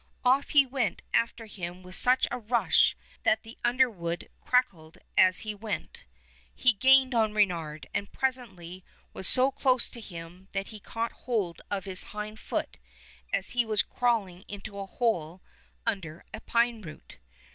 Off he went after him with such a rush that the underwood crackled as he went. He gained on Reynard, and presently was so close to him that he caught hold of his hind foot as he was crawling into a hole under a pine root.